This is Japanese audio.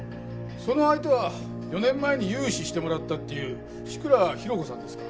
その相手は４年前に融資してもらったっていう志倉寛子さんですか？